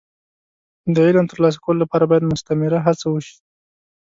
د علم د ترلاسه کولو لپاره باید مستمره هڅه وشي.